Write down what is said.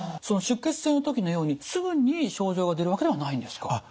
その出血性の時のようにすぐに症状が出るわけではないんですか？